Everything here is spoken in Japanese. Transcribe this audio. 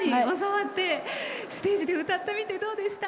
ステージで歌ってみてどうでした？